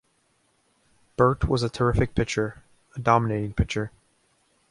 Bert was a terrific pitcher - a dominating pitcher.